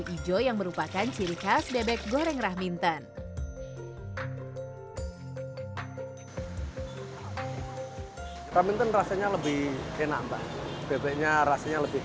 hijau yang merupakan ciri khas bebek goreng rahminton raminton rasanya lebih enak bebeknya rasanya lebih